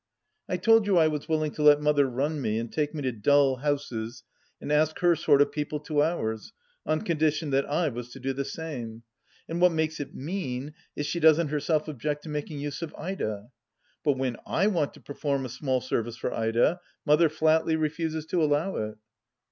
I told you I was willing to let Mother run me and take me to dull houses and ask her sort of people to ours, on condition that I was to do the same. And what makes it mean is she doesn't, herself object to making use of Ida. But when I want to perform a small service for Ida, Mother flatly refuses to allow it.